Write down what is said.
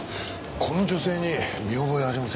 この女性に見覚えありませんか？